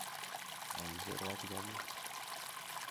Анзор уакәӡами?